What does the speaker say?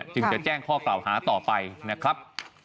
จึงจะแจ้งข้อกล่าวหาต่อไปนะครับ